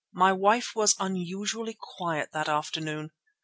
"My wife was unusually quiet that afternoon.